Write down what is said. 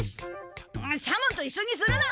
左門といっしょにするな！